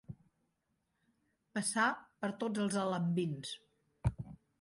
Passar per tots els alambins.